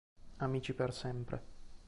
Amici per sempre